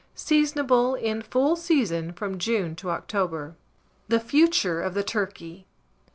Seasonable. In full season from June to October. THE FUTURE OF THE TURKEY.